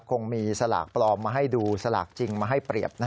คงมีสลากปลอมมาให้ดูสลากจริงมาให้เปรียบ